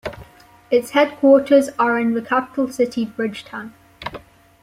Its headquarters are in the capital-city Bridgetown.